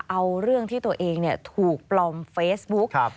เอาเรื่องที่ตัวเองถูกปลอมเฟซบุ๊ก